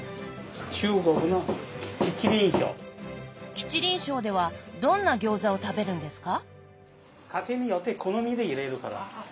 吉林省ではどんな餃子を食べるんですか？